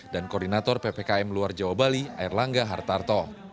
dan koordinator ppkm luar jawa bali erlangga hartarto